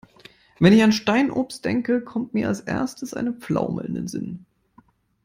Wenn ich an Steinobst denke, kommt mir als Erstes eine Pflaume in den Sinn.